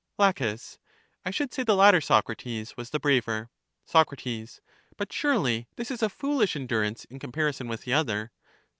LACHES 107 La. I should say that the latter, Socrates, was the braver. Soc, But, surely, this is a foolish endurance in com parison with the other?